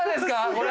これ。